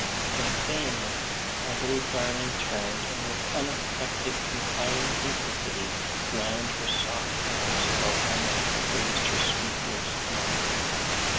And saying this, my little darling turned, and with unaffected confiding simplicity, wound her soft arms about my neck, and raised her sweet lips to mine.